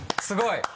すごい！